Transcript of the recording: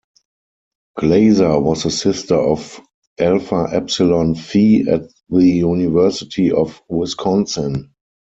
Glaser was a sister of Alpha Epsilon Phi at the University of Wisconsin.